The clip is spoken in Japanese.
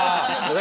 何？